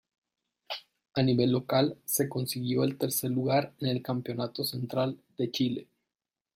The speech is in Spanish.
A nivel local se consiguió el tercer lugar en el Campeonato Central de Chile.